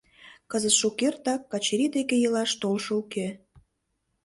Кызыт шукертак Качыри деке илаш толшо уке.